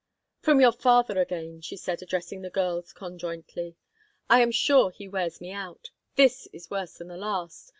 "From your father again," she said, addressing the girls conjointly. "I am sure he wears me out. This is worse than the last.